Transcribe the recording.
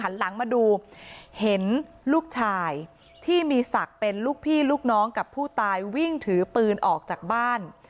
หลังมาดูเห็นลูกชายที่มีศักดิ์เป็นลูกพี่ลูกน้องกับผู้ตายวิ่งถือปืนออกจากบ้าน